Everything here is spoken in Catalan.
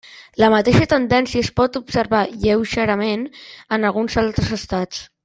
La mateixa tendència es pot observar lleugerament en alguns altres estats.